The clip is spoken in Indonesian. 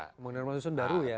pembangunan rumah susun baru ya